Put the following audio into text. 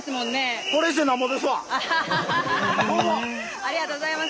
ありがとうございます。